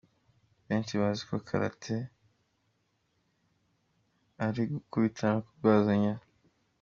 "Benshi bazi ko karate ari gukubitana no kubabazanya.